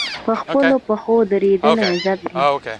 په خپلو پښو دریدل عزت دی